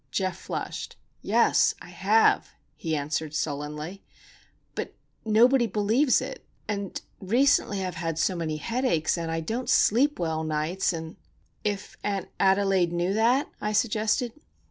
Geof flushed. "Yes; I have," he answered, sullenly. "But nobody believes it. And recently I've had so many headaches, and I don't sleep well nights, and——" "If Aunt Adelaide knew that?" I suggested.